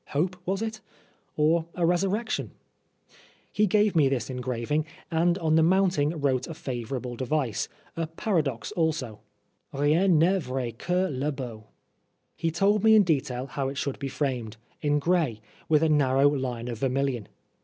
Hope was it ? or a Resurrection ? He gave me this engraving, and on the mounting wrote a favourite device, a paradox also, " Rien nest vrai que le beau? He told me in detail how it should be framed, in grey, with a narrow line of vermilion.